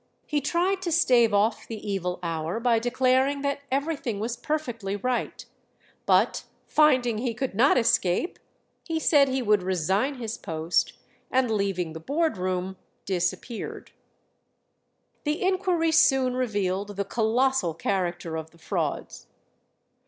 He tried to stave off the evil hour by declaring that everything was perfectly right; but finding he could not escape, he said he would resign his post, and leaving the board room, disappeared. The inquiry soon revealed the colossal character of the frauds.